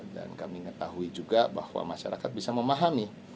dan kami ketahui juga bahwa masyarakat bisa memahami